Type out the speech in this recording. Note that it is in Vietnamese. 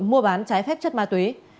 mua bán trái phép chất ma túy